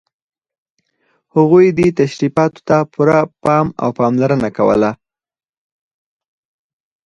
هغوی دې تشریفاتو ته پوره پام او پاملرنه کوله.